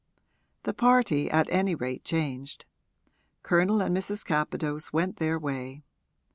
The party at any rate changed: Colonel and Mrs. Capadose went their way.